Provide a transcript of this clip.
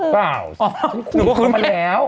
เปล่าหนูก็คืนมาแล้ว